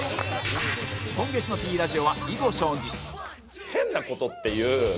今月の Ｐ ラジオは囲碁将棋